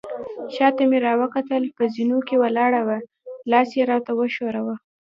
شاته مې راوکتل، په زینو کې ولاړه وه، لاس يې راته وښوراوه.